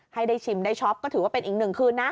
ให้ได้ชิมได้ช็อปก็ถือว่าเป็นอีกหนึ่งคืนนะ